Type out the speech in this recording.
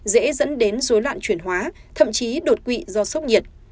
dễ dẫn đến rối loạn chuyển hóa thậm chí đột quỵ do sốc nhiệt